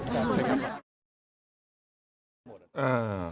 ขอบคุณครับ